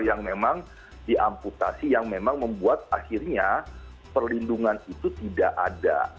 yang memang diamputasi yang memang membuat akhirnya perlindungan itu tidak ada